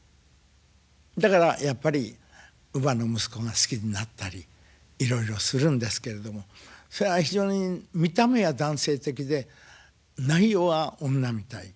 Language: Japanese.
だからやっぱり乳母の息子が好きになったりいろいろするんですけれどもそりゃあ非常に見た目は男性的で内容は女みたい。